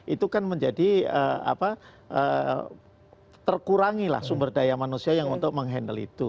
itu kan menjadi apa terkurangi lah sumber daya manusia yang untuk menghandle itu